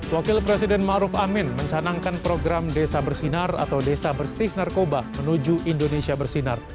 wakil presiden maruf amin mencanangkan program desa bersinar atau desa bersih narkoba menuju indonesia bersinar